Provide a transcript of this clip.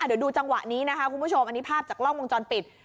เดี๋ยวดูจังหวะนี้นะคะคุณผู้ชมอันนี้ภาพจากกล้องวงจรปิด